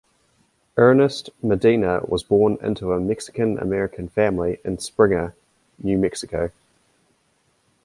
Ernest Medina was born into a Mexican-American family in Springer, New Mexico.